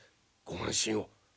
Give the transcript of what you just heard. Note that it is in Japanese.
ご安心を。